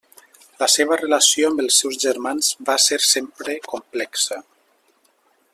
La seva relació amb els seus germans va ser sempre complexa.